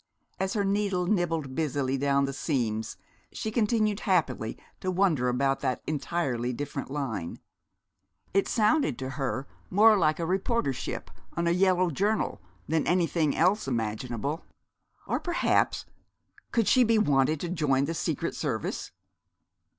As her needle nibbled busily down the seams she continued happily to wonder about that Entirely Different Line. It sounded to her more like a reportership on a yellow journal than anything else imaginable. Or, perhaps, could she be wanted to join the Secret Service?